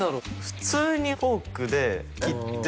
普通にフォークで切って。